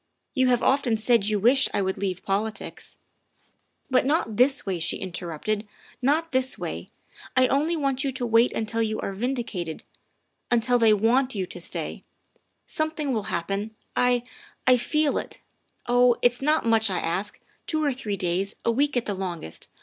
You have often said you wished I would leave politics. ''" But not this way," she interrupted. " Not this way. I only want you to wait until you are vindicated until they want you to stay. Something will happen, I I feel it. Oh, it's not much I ask, two or three days, a week at the longest.